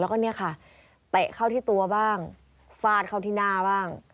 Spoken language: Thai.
แล้วก็เนี่ยค่ะเตะเข้าที่ตัวบ้างฟาดเข้าที่หน้าบ้าง